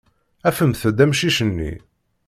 Afemt-d amcic-nni.